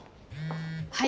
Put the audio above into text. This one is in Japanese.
はい。